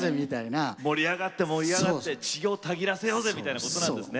盛り上がって盛り上がって血をたぎらせようぜみたいなことなんですね。